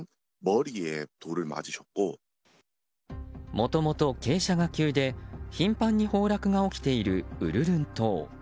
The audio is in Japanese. もともと傾斜が急で頻繁に崩落が起きているウルルン島。